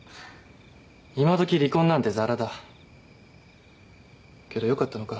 今どき離婚なんてザラだけどよかったのか？